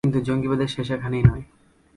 কিন্তু জঙ্গীবাদের শেষ এখানেই নয়।